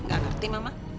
nggak ngerti mama